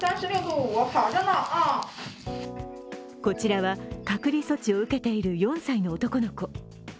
こちらは、隔離措置を受けている４歳の男の子。